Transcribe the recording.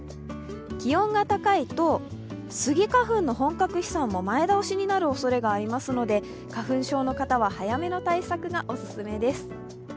気温が高いと、スギ花粉の本格飛散も前倒しになるおそれがありますので、花粉症の方は早めの対策がオススメです。